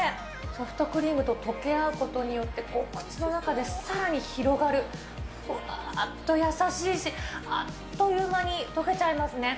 ソフトクリームと溶け合うことによって、口の中でさらに広がる、ふわーっと優しいし、あっという間に溶けちゃいますね。